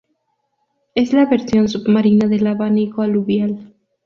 Es la versión submarina del abanico aluvial.